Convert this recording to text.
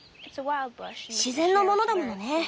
自然のものだものね。